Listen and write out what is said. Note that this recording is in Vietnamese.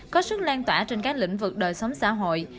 có sức lan tỏa trên các lĩnh vực đời sống xã hội